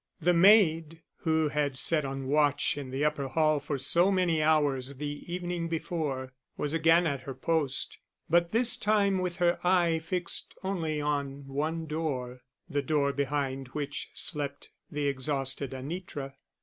The maid, who had sat on watch in the upper hall for so many hours the evening before, was again at her post, but this time with her eye fixed only on one door, the door behind which slept the exhausted Anitra.